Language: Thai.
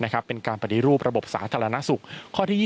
ข้อ๒๐เป็นการปฏิรูประบบสาธารณสุข